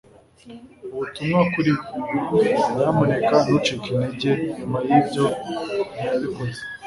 ubutumwa kuri we. nyamuneka ntucike intege. nyuma y'ibyo, ntiyabikoze